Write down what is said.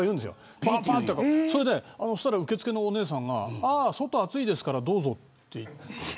そしたら受付のお姉さんが外が暑いですからどうぞって。